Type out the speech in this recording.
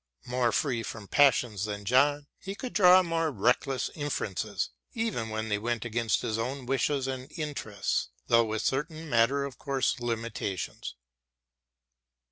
More free from passions than John, he could draw more reckless inferences, even when they went against his own wishes and interests, though with certain matter of course limitations.